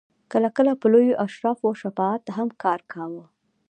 کله کله به د لویو اشرافو شفاعت هم کار کاوه.